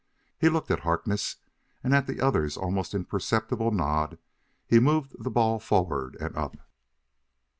He looked at Harkness, and, at the other's almost imperceptible nod, he moved the ball forward and up.